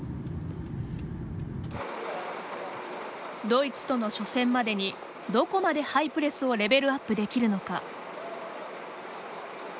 ドイツとの初戦までにどこまでハイプレスをレベルアップできるのか。